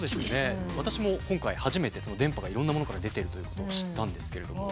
私も今回初めて電波がいろんなものから出てるということを知ったんですけれども。